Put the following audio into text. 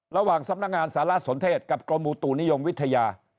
ระหว่างสำนักงานสารสนเทศกับกรมอุตุนิยมวิทยา